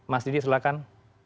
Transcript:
mas didi silahkan